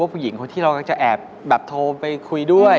ครับทำได้ใช่ที่เราก็จะแอบแบบโทรไปคุยด้วย